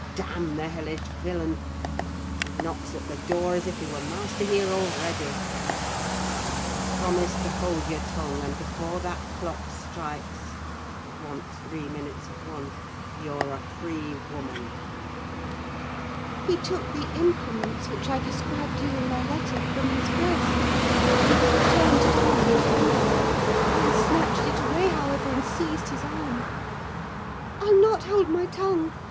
Damn the hellish villain! He knocks at the door as if he were master here already! Promise to hold your tongue, and before that clock strikes—it wants three minutes of one—you're a free woman!' "He took the implements which I described to you in my letter from his breast, and would have turned down the candle. I snatched it away, however, and seized his arm. "'I'll not hold my tongue!